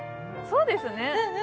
そうですね。